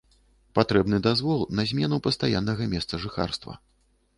Патрэбны дазвол на змену пастаяннага месца жыхарства.